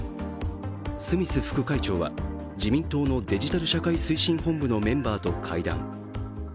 スミス副会長は自民党のデジタル社会推進本部のメンバーと会談。